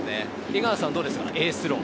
江川さん、どうですか？